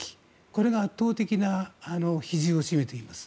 これが圧倒的な比重を占めています。